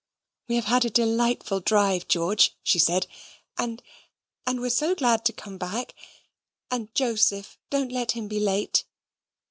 "We have had a delightful drive, George," she said, "and and we're so glad to come back; and, Joseph, don't let him be late."